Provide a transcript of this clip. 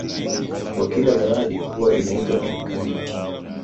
Kwa kila zawadi huwa inaitwa enkariwa